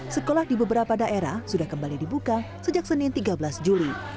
sekolah di beberapa daerah sudah kembali dibuka sejak senin tiga belas juli